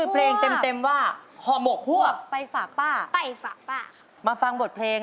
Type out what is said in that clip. เพราะให้ใจดังกำลังนั่ง